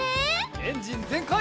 エンジンぜんかい！